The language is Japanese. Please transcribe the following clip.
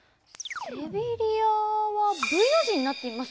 セビリアはＶの字になっています。